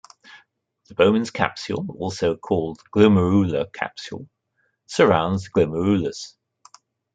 The Bowman's capsule, also called the glomerular capsule, surrounds the glomerulus.